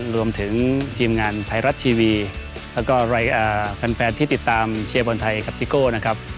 รวมถึงทีมงานไทยรัฐทีวีแล้วก็แฟนที่ติดตามเชียร์บอลไทยกับซิโก้นะครับ